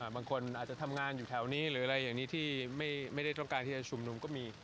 บางคนอาจจะทำงานอยู่แถวนี้หรืออะไรอย่างนี้ที่ไม่ได้ต้องการที่จะชุมนุมก็มี